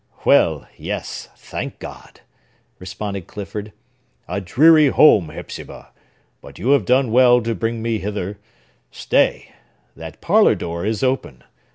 "Well!—Yes!—thank God!" responded Clifford. "A dreary home, Hepzibah! But you have done well to bring me hither! Stay! That parlor door is open.